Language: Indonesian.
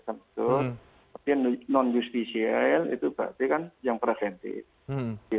tapi non justicial itu berarti kan yang preventif